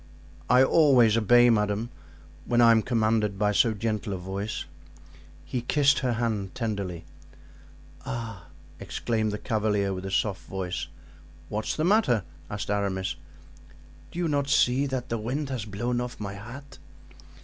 "I always obey, madame, when I am commanded by so gentle a voice." He kissed her hand tenderly. "Ah!" exclaimed the cavalier with a soft voice. "What's the matter?" asked Aramis. "Do you not see that the wind has blown off my hat?"